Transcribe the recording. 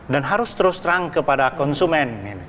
dan harus terus terang kepada konsumen